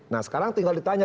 nah sekarang tinggal ditanya